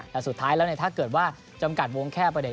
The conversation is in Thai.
แต่สุดท้ายแล้วถ้าเกิดว่าจำกัดวงแค่ประเด็